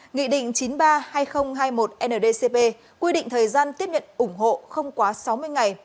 nghị định chín mươi ba hai nghìn hai mươi một ndcp quy định thời gian tiếp nhận ủng hộ không quá sáu mươi ngày